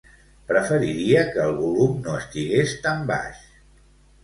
Preferiria que el volum no estigués tan baix.